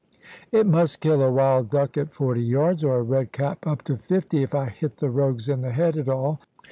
It must kill a wild duck at forty yards, or a red cap up to fifty, if I hit the rogues in the head at all.